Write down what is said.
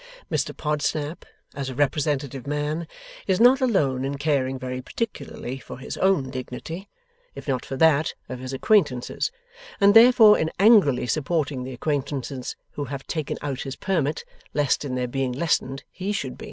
Mr Podsnap, as a representative man, is not alone in caring very particularly for his own dignity, if not for that of his acquaintances, and therefore in angrily supporting the acquaintances who have taken out his Permit, lest, in their being lessened, he should be.